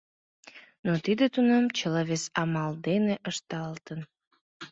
Но тиде тунам чыла вес амал дене ышталтын.